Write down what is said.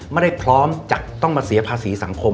ไม่ได้พร้อมจะต้องมาเสียภาษีสังคม